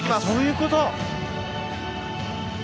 そういうこと？